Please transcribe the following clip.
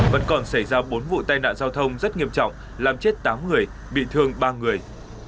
vẫn còn xảy ra bốn vụ tai nạn giao thông rất nghiêm trọng làm chết tám người bị thương ba người